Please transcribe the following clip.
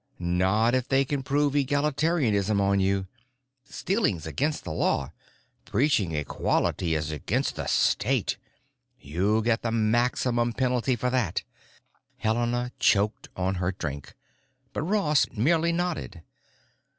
"Not if they can prove egalitarianism on you. Stealing's against the law; preaching equality is against the state. You get the maximum penalty for that." Helena choked on her drink, but Ross merely nodded.